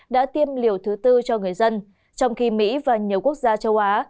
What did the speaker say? đã tiêm liều thứ tư cho người dân trong khi mỹ và nhiều quốc gia châu á